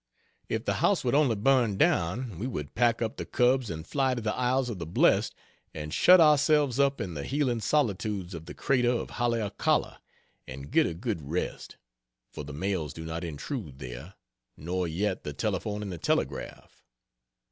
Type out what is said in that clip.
If the house would only burn down, we would pack up the cubs and fly to the isles of the blest, and shut ourselves up in the healing solitudes of the crater of Haleakala and get a good rest; for the mails do not intrude there, nor yet the telephone and the telegraph.